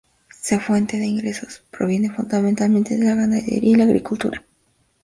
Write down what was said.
Su fuente de ingresos proviene fundamentalmente de la ganadería y la agricultura.